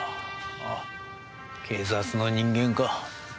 あっ警察の人間か。